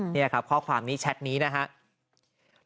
นี่ครับข้อความนี้แชทนี้นะครับ